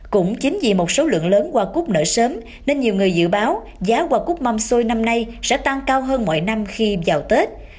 cũng chính vì một số lượng lớn hoa cút nở sớm nên nhiều người dự báo giá hoa cút mâm xôi năm nay sẽ tăng cao hơn mọi năm khi vào tết